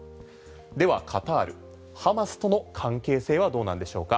ではカタールハマスとの関係性はどうなんでしょうか。